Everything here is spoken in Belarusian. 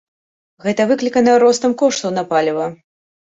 Гэта выклікана ростам коштаў на паліва.